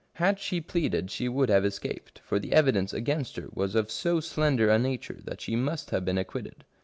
Had she pleaded she would have escaped, for the evidence against her was of so slender a nature that she must have been acquitted.